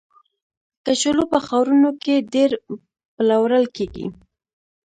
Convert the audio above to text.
کچالو په ښارونو کې ډېر پلورل کېږي